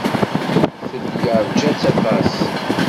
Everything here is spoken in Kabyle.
Ted yeṛja-tt aṭas.